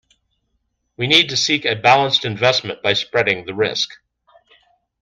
We need to seek a balanced investment by spreading the risk.